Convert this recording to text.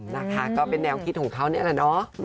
นะคะก็เป็นแนวคิดของเขานี่แหละเนาะ